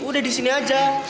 udah disini aja